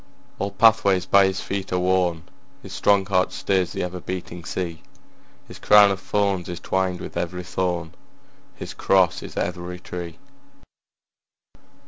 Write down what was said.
All pathways by his feet are worn, His strong heart stirs the ever beating sea, His crown of thorns is twined with every thorn, His cross is every tree.